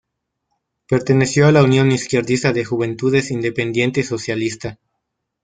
Perteneció a la "Unión izquierdista de Juventudes Independiente Socialista".